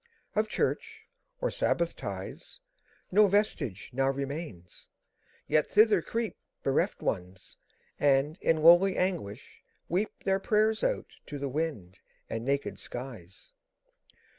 Of church, or sabbath ties, 5 No vestige now remains; yet thither creep Bereft Ones, and in lowly anguish weep Their prayers out to the wind and naked skies.